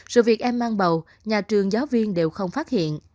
sự việc em mang bầu nhà trường giáo viên đều không phát hiện